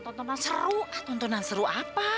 tunggu sebentar ya